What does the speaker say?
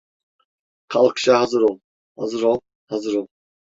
Kalkışa hazır ol, hazır ol, hazır ol.